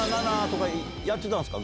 やってたんすか？